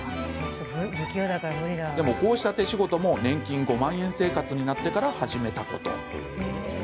こうした手仕事も年金５万円生活になってから始めたこと。